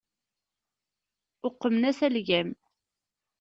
Uqmen-as algam.